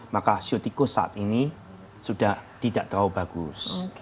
maka show tikus saat ini sudah tidak terlalu bagus